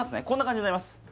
こんな感じになります